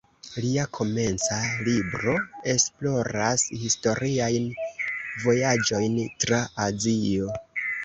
Lia komenca libro esploras historiajn vojaĝojn tra Azio.